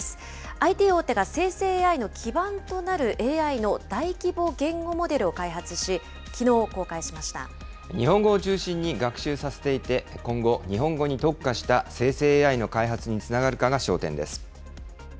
ＩＴ大手が生成ＡＩの基盤となるＡＩの大規模言語モデルを開発し、日本語を中心に学習させていて、今後、日本語に特化した生成ＡＩの開発につながるかが焦点です。